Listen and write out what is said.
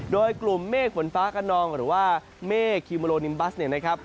โดยกลุ่มเมฆฝนฟ้ากระนองหรือว่าเมฆคิโมโลนิมบัสเนี่ยนะครับ